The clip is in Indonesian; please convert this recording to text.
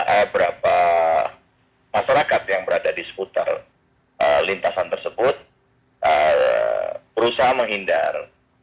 beberapa masyarakat yang berada di seputar lintasan tersebut berusaha menghindar